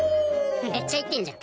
めっちゃ言ってんじゃん。